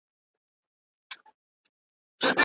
باید په کندهار او هلمند کې د واده دودونه وڅېړل سي.